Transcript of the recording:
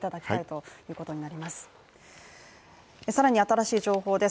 更に新しい情報です。